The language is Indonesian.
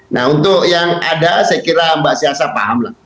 nah untuk yang ada saya kira mbak siasa paham lah